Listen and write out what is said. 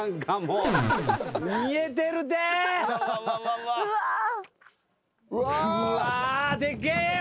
うわでけえよ！